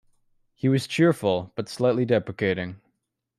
He was cheerful, but slightly deprecating.